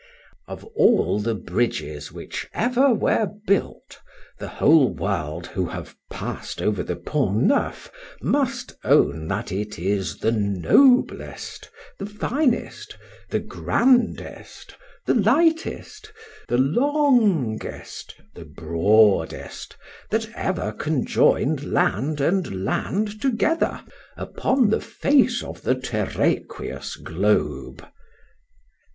Of all the bridges which ever were built, the whole world who have pass'd over the Pont Neuf must own, that it is the noblest,—the finest,—the grandest,—the lightest,—the longest,—the broadest, that ever conjoin'd land and land together upon the face of the terraqueous globe.